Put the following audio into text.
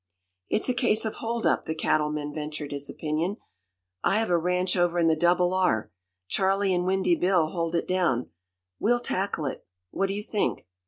"It's a case of hold up," the Cattleman ventured his opinion. "I have a ranch over in the Double R. Charley and Windy Bill hold it down. We'll tackle it. What do you think?"